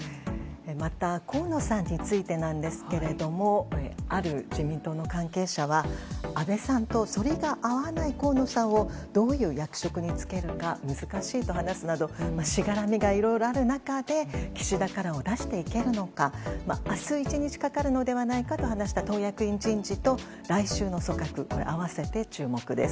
また、河野さんについてですがある自民党の関係者は安倍さんと反りが合わない河野さんをどういう役職に就けるか難しいと話すなどしがらみがいろいろある中で岸田カラーを出していけるのか明日１日かかるのではないかと話した党役員人事と来週の組閣、合わせて注目です。